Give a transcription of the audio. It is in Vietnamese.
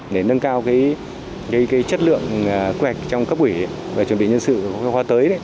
để nâng cao cái chất lượng quy hoạch trong cấp ủy và chuẩn bị nhân sự hoa tới